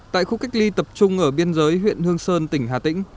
tại khu cách ly tập trung ở biên giới huyện hương sơn tỉnh hà tĩnh